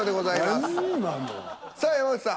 さあ山内さん。